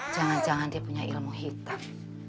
jangan jangan dia punya ilmu hitam